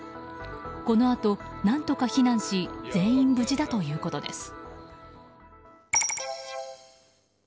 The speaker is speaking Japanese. このあと何とか避難し全員無事だということです。